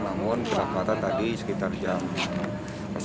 namun kelepatan tadi sekitar jam ya